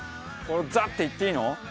これザッていっていいの？